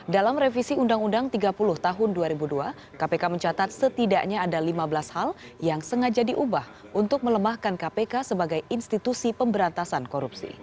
dalam revisi undang undang tiga puluh tahun dua ribu dua kpk mencatat setidaknya ada lima belas hal yang sengaja diubah untuk melemahkan kpk sebagai institusi pemberantasan korupsi